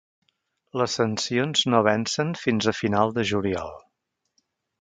Les sancions no vencen fins a final de juliol.